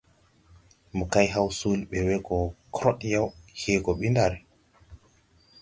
Mo kay haw soole ɓe we go krod yaw, hee gɔ ɓi ndar.